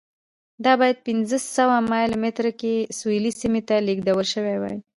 دا باید پنځه سوه مایل مترۍ کې سویل سیمې ته لېږدول شوې وای.